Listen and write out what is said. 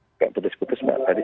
tidak putus putus pak